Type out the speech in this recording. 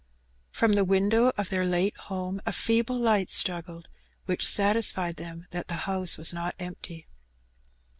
From the window of their late home a feeble light struggled^ which satisfied them that the house was not empty.